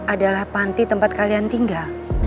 adalah panti tempat kalian tinggal